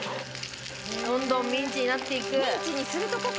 どんどんミンチになっていく。